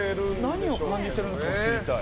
何を感じてるのか知りたい。